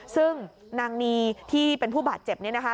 ซึ่งนางนีที่เป็นผู้บาดเจ็บนี้นะคะ